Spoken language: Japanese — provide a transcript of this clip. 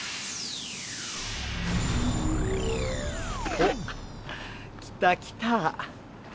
おっ来た来た。